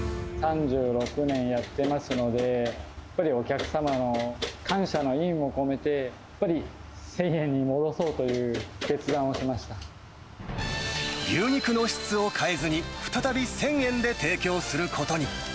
３６年やってますので、やっぱりお客様への感謝の意味も込めて、やっぱり１０００円に戻牛肉の質を変えずに、再び１０００円で提供することに。